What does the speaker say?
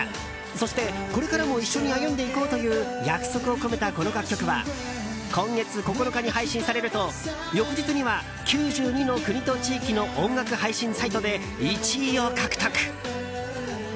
そして、これからも一緒に歩んでいこうという約束を込めた、この楽曲は今月９日に配信されると翌日には９２の国と地域の音楽配信サイトで１位を獲得。